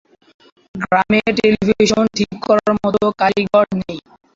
গ্রামে টেলিভিশন ঠিক করার মত কারিগর নেই।